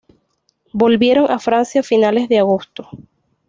Volvieron a Francia a finales de agosto.